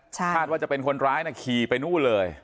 คาดว่าจะเป็นคนร้ายนะขี่ไปนู่นเลย